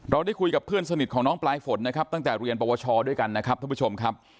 ได้คุยกับเพื่อนสนิทของน้องปลายฝนนะครับตั้งแต่เรียนปวชด้วยกันนะครับท่านผู้ชมครับ